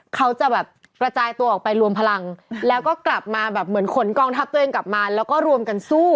เขาจะแบบกระจายตัวออกไปรวมพลังแล้วก็กลับมาแบบเหมือนขนกองทัพตัวเองกลับมาแล้วก็รวมกันสู้